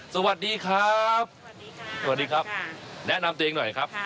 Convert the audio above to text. สวัสดีครับสวัสดีครับแนะนำตัวเองหน่อยครับ